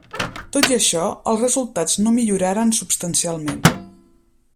Tot i això els resultats no milloraren substancialment.